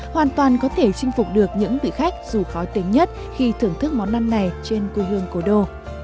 hoàn toàn có thể chinh phục được những vị khách dù khó tính nhất khi thưởng thức món ăn này trên quê hương cổ đô